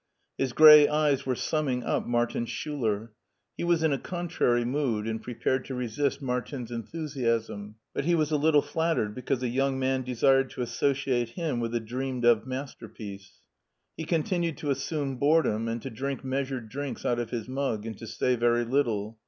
His gray eyes were summing up Martin Schiiler ; he was in a contrary mood ^nd prepared to resist Martinis enthu siasm, but he was a little flattered because a young man desired to associate him with a dreamed of master piece. He continued to assume boredom and to drink measured drinks out of his mug and to say very little.